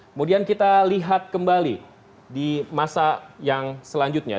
kemudian kita lihat kembali di masa yang selanjutnya